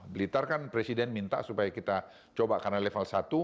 blitar kan presiden minta supaya kita coba karena level satu